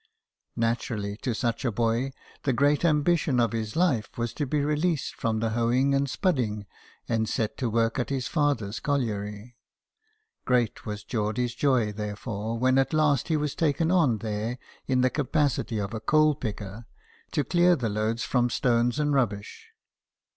Naturally, to such a boy, the great ambition of his life was to be released from the hoeing and spudding, and set to work at his father's colliery. Great was Geordie's joy, therefore, when at last he was taken on there in the capacity of a coal picker, to clear the loads from stones and rubbish.